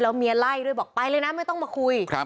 แล้วเมียไล่ด้วยบอกไปเลยนะใกล้จะไม่ต้องกับคุย